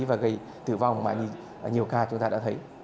và gây tử vong mà như nhiều ca chúng ta đã thấy